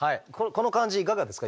この感じいかがですか？